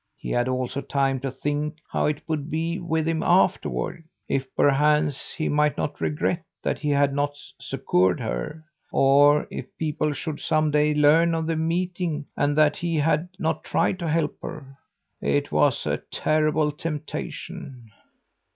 He had also time to think how it would be with him afterward if perchance he might not regret that he had not succoured her; or if people should some day learn of the meeting and that he had not tried to help her. It was a terrible temptation.